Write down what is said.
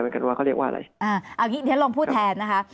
กันว่าเขาเรียกว่าอะไรอ่าเอางี้เดี๋ยวลองพูดแทนนะคะ